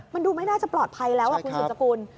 มันดูไม่น่าจะปลอดภัยแล้วคุณสุดสกุล